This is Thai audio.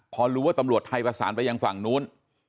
พอรู้ว่าตำรวจไทยประสานไปยังฝั่งนู้น